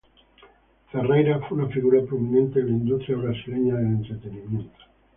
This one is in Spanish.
Ferreira fue una figura prominente en la industria brasileña del entretenimiento.